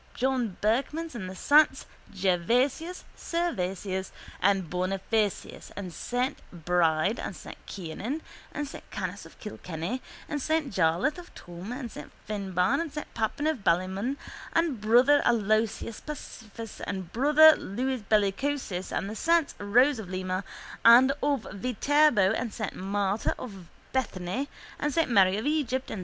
John Berchmans and the saints Gervasius, Servasius and Bonifacius and S. Bride and S. Kieran and S. Canice of Kilkenny and S. Jarlath of Tuam and S. Finbarr and S. Pappin of Ballymun and Brother Aloysius Pacificus and Brother Louis Bellicosus and the saints Rose of Lima and of Viterbo and S. Martha of Bethany and S. Mary of Egypt and S.